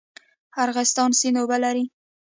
ارغستان سیند اوبه لري؟